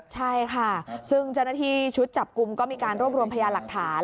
ใช่ค่ะซึ่งเจ้าหน้าที่ชุดจับกลุ่มก็มีการรวบรวมพยาหลักฐาน